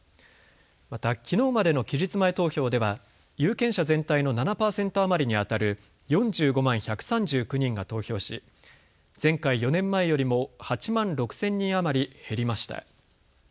またきのうまでの期日前投票では有権者全体の７％余りにあたる４５万１３９人が投票し前回４年前よりも８万６０００人余り減りました。